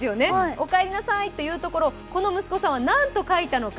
おかえりなさいと言うところをこの息子さんは何と書いたのか。